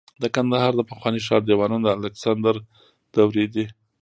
د کندهار د پخواني ښار دیوالونه د الکسندر دورې دي